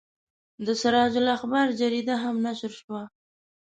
د سراج الاخبار جریده هم نشر شوه.